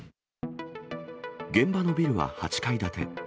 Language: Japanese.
現場のビルは８階建て。